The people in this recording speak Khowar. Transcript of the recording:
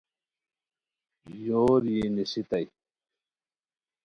یور یی نسیتائے